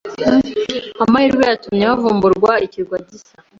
Amahirwe yatumye havumburwa ikirwa gishya.